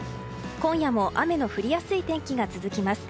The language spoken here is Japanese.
今夜も雨の降りやすい天気が続きます。